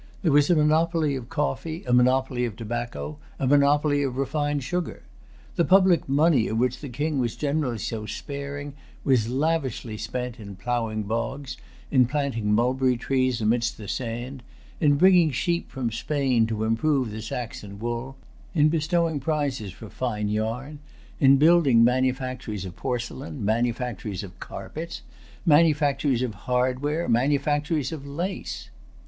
There was a monopoly of coffee, a monopoly of tobacco, a monopoly of refined sugar. The public money, of which the King was generally so sparing, was lavishly spent in ploughing bogs, in planting mulberry trees amidst the sand, in bringing sheep from Spain to improve the Saxon wool, in bestowing prizes for fine yarn, in building manufactories of porcelain, manufactories of carpets, manufactories of hardware, manufactories of lace.